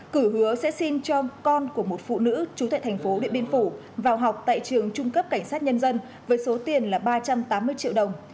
cử hứa sẽ xin cho con của một phụ nữ trú tại thành phố điện biên phủ vào học tại trường trung cấp cảnh sát nhân dân với số tiền là ba trăm tám mươi triệu đồng